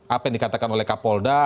apa yang dikatakan oleh kak polda